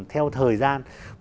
theo thời gian